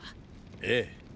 ええ。